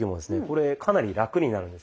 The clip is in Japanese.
これかなりラクになるんですよ。